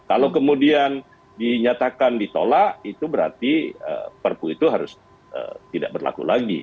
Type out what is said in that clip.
kalau kemudian dinyatakan ditolak itu berarti perpu itu harus tidak berlaku lagi